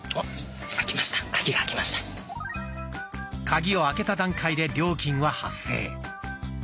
カギを開けた段階で料金は発生。